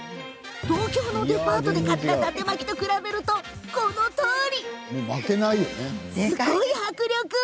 東京のデパートで買っただて巻きと比べると、このとおり。なんという迫力！